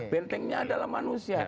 bentengnya adalah manusia